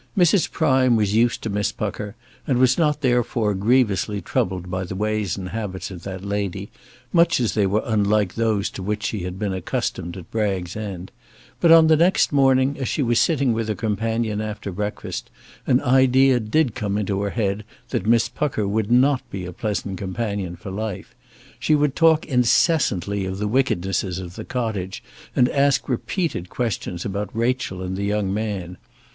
Mrs. Prime was used to Miss Pucker, and was not therefore grievously troubled by the ways and habits of that lady, much as they were unlike those to which she had been accustomed at Bragg's End; but on the next morning, as she was sitting with her companion after breakfast, an idea did come into her head that Miss Pucker would not be a pleasant companion for life. She would talk incessantly of the wickednesses of the cottage, and ask repeated questions about Rachel and the young man.